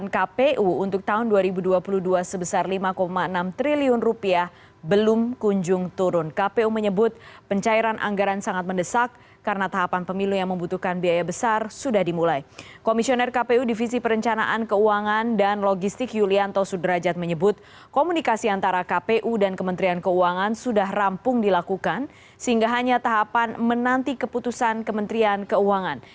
kpu dan kementerian keuangan sudah rampung dilakukan sehingga hanya tahapan menanti keputusan kementerian keuangan